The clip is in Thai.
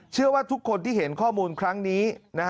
เชื่อว่าทุกคนที่เห็นข้อมูลครั้งนี้